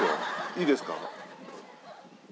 いいですか？